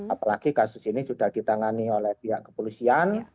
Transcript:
apalagi kasus ini sudah ditangani oleh pihak kepolisian